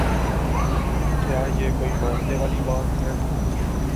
کیا یہ کوئی ماننے والی بات ہے؟